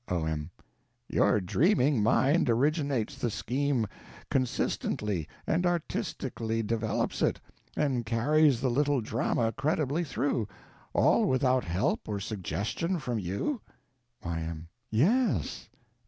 O.M. Your dreaming mind originates the scheme, consistently and artistically develops it, and carries the little drama creditably through—all without help or suggestion from you? Y.M. Yes.